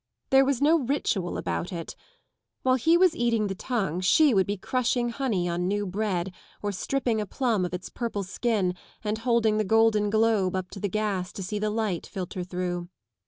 There was no ritual about it. While he was eating the tongue she would be crushing honey on new bread, or stripping a plum of its purple skin and holding the golden globe up to the gas to see the light filter through.